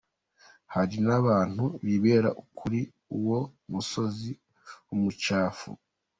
Hari n'abantu bibera kuri uwo musozi w'umucafu.